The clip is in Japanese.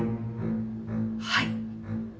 はい。